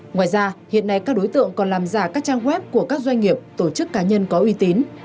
ngoài ra hiện nay các đối tượng còn làm giả các trang web của các doanh nghiệp tổ chức cá nhân có uy tín